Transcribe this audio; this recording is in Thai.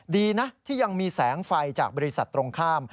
ดีนะที่ยังมีแสงไฟจากบริษัทตรงข้าม